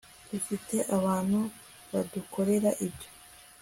dufite abantu badukorera ibyo